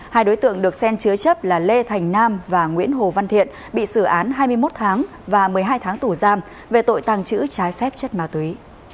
hai đối tượng được sen chứa chấp là lê thành nam và nguyễn hồ văn thiện bị xử án hai mươi một tháng và một mươi hai tháng tù giam về tội tàng trữ trái phép chất ma túy